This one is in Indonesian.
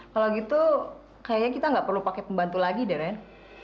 kalo gitu kayaknya kita gak perlu pake pembantu lagi deh ren